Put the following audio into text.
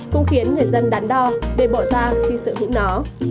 cũng khiến người dân đắn đo để bỏ ra khi sở hữu nó